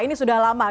ini sudah lama